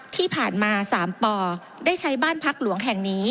ที่ผ่านมา๓ปได้ใช้บ้านพักหลวงแห่งนี้